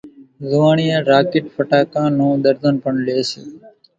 زوئاڻيا راڪيٽ ڦٽاڪان نون ۮرزن پڻ لئي سي